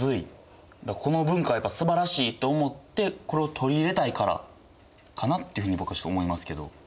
この文化はやっぱすばらしいと思ってこれを取り入れたいからかなっていうふうに僕は思いますけど。